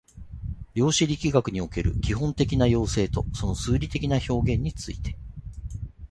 量子力学における基本的な要請とその数理的な表現について